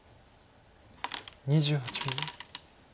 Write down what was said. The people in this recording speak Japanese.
２８秒。